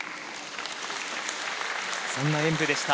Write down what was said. そんな演武でした。